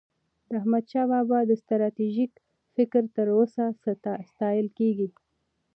د احمدشاه بابا ستراتیژيک فکر تر اوسه ستایل کېږي.